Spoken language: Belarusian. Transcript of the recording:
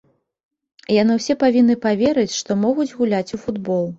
Яны ўсе павінны паверыць, што могуць гуляць у футбол.